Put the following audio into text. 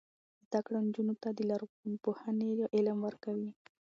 زده کړه نجونو ته د لرغونپوهنې علم ورکوي.